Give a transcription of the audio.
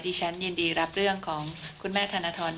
ฉันยินดีรับเรื่องของคุณแม่ธนทร